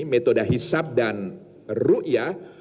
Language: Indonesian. metode hisab dan ru'yah